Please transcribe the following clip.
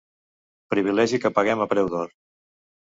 Privilegi que paguem a preu d'or.